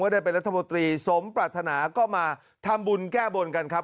ได้เป็นรัฐมนตรีสมปรารถนาก็มาทำบุญแก้บนกันครับ